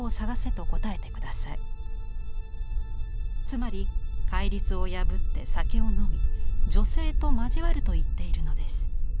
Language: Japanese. つまり戒律を破って酒を飲み女性と交わると言っているのです。